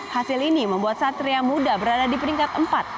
hasil ini membuat satria muda berada di peringkat empat